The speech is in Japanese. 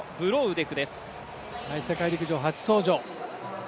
世界陸上初登場。